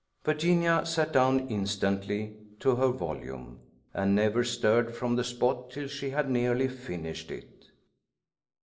Virginia sat down instantly to her volume, and never stirred from the spot till she had nearly finished it.